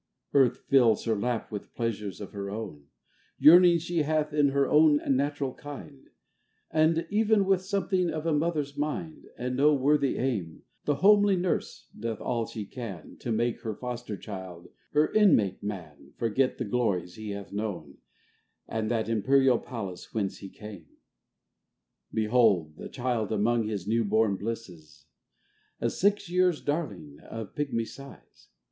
Earth fills her lap with pleasures of her own ; Yearnings she hath in her own natural kind, And, even with something of a Mother's mind, And no unworthy aim, The homely Nurse doth all she can To make her Foster child, her Inmate Man, Forget the glories he hath known, And that imperial palace whence he came. Behold the Child among his new born blisses, A six years' Darling of a pigmy size